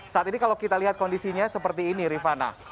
saat ini kalau kita lihat kondisinya seperti ini rifana